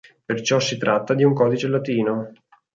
Perciò si tratta di un codice latino.